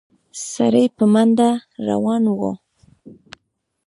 سړی په منډه روان و.